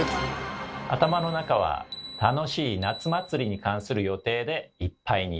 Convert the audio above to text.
頭の中は楽しい夏祭りに関する予定でいっぱいに。